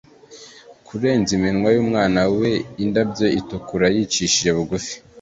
Kurenza iminwa y'umwana we indabyo itukura yicishije bugufi